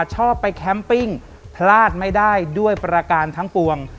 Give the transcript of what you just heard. ชอบไปแคมปิ้งพลาดไม่ได้ด้วยประการทั้งปวง